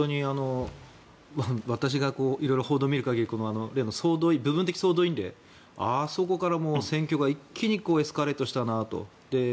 私がいろいろ報道を見る限り部分的総動員令あそこから戦況が一気にエスカレートしたなと。